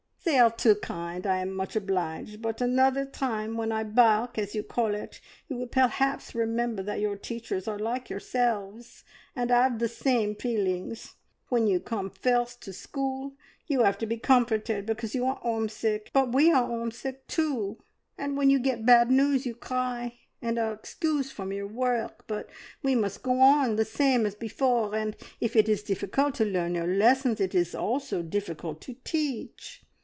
"They are too kind! I am much obliged; but another time, when I `bark' as you call it, you will perhaps remember that your teachers are like yourselves, and 'ave the same feelings. When you come first to school you have to be comforted because you are 'ome sick, but we are 'ome sick too; and when you get bad news you cry, and are excused your work, but we must go on the same as before; and if it is difficult to learn your lessons, it is also difficult to teach!